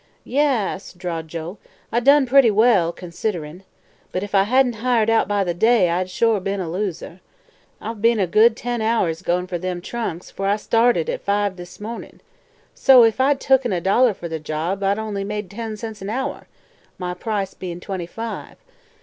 "Ya as," drawled Joe; "I done pretty well, considerin'. But if I hadn't hired out by the day I'd sure be'n a loser. I've be'n a good ten hours goin' fer them trunks, fer I started at five this mornin'; so, if I'd tooken a doller fer the job, I'd only made ten cents a hour, my price bein' twenty five.